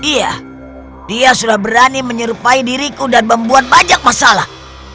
iya dia sudah berani menyerupai diriku dan membuat banyak masalah